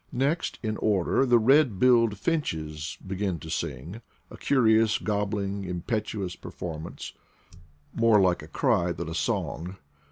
Next in order the red billed finches begin to sing— a curious, gobbling, impetu ous performance, more like a cry than a song.